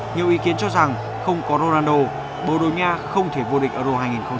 nhiều ý kiến cho rằng không có ronaldo bồ đồ nhà không thể vua địch euro hai nghìn một mươi sáu